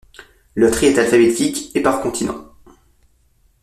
Le tri est alphabétique et par continent.